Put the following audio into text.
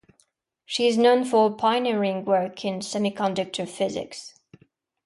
She is known for her pioneering work in semiconductor physics.